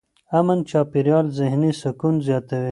امن چاپېریال ذهني سکون زیاتوي.